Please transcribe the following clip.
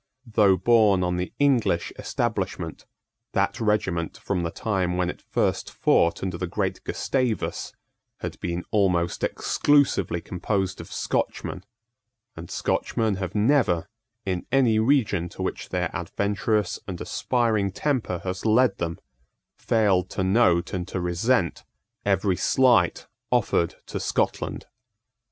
Though borne on the English establishment, that regiment, from the time when it first fought under the great Gustavus, had been almost exclusively composed of Scotchmen; and Scotchmen have never, in any region to which their adventurous and aspiring temper has led them, failed to note and to resent every slight offered to Scotland.